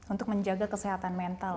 untuk menjaga kesehatan mental